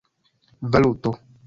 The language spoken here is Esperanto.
valuto